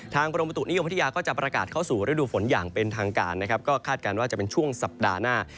กรมประตุนิยมพัทยาก็จะประกาศเข้าสู่ฤดูฝนอย่างเป็นทางการนะครับก็คาดการณ์ว่าจะเป็นช่วงสัปดาห์หน้า